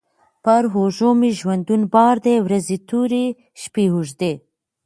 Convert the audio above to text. پر اوږو مي ژوندون بار دی ورځي توري، شپې اوږدې